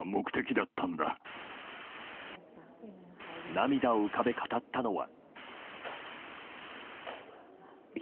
涙を浮かべ語ったのは。